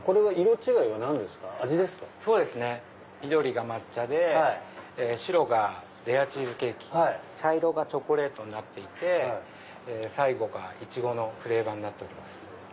緑が抹茶で白がレアチーズケーキ茶色がチョコレートになっていて最後がイチゴのフレーバーになっております。